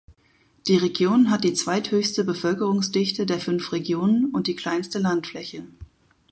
Die Region hat die zweithöchste Bevölkerungsdichte der fünf Regionen und die kleinste Landfläche.